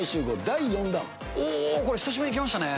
これ久しぶりにきましたね。